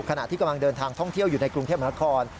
ขณะที่กำลังเดินทางท่องเที่ยวอยู่ในกรุงเทพมหานคร